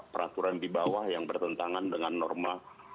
peraturan di bawah yang bertentangan dengan norma